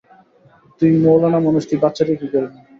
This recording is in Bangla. তুই মৌলানা মানুষ, তুই বাচ্চা দিয়া কী করবি?